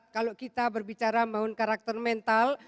kalau kita berbicara membangun karakter mental